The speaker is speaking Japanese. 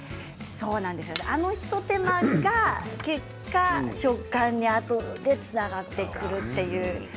この一手間が、あとで食感につながってくるという。